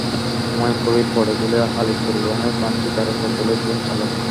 হুমায়ুন কবীর পড়ে গেলে আলিফ পরিবহনের বাসটি তাঁর ওপর তুলে দেন চালক।